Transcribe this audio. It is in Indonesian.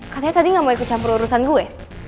katanya tadi nggak mau ikut campur urusan gue